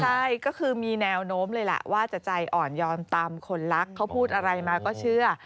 ใช่ก็คือมีแนวโน้มเลยแหละว่าจะใจอ่อนยอมตามคนรักเขาพูดอะไรมาก็เชื่อ